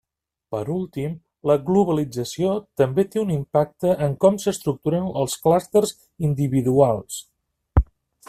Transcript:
Per últim, la globalització també té un impacte en com s'estructuren els clústers individuals.